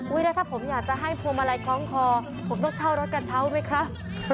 แล้วถ้าผมอยากจะให้พวงมาลัยคล้องคอผมต้องเช่ารถกระเช้าไหมครับ